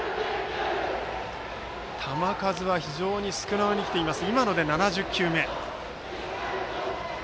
球数は非常に少なめで来ています。